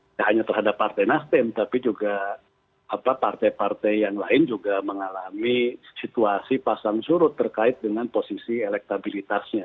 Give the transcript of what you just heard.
tidak hanya terhadap partai nasdem tapi juga partai partai yang lain juga mengalami situasi pasang surut terkait dengan posisi elektabilitasnya